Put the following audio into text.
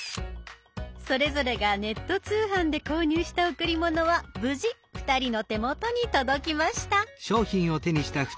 それぞれがネット通販で購入した贈り物は無事２人の手元に届きました。